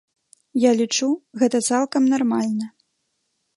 Я лічу, гэта цалкам нармальна.